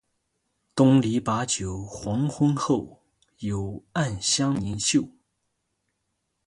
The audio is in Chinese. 东篱把酒黄昏后，有暗香盈袖